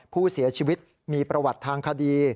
ผู้เสียชีวิตมีประวัติทางคดี